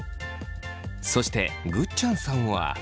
そしてぐっちゃんさんは。